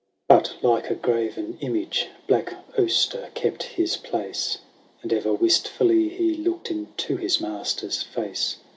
But, like a graven image, Black Auster kept his place. And ever wistfully he looked Into his master's face.